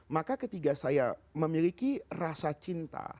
maka ketika saya memiliki rasa cinta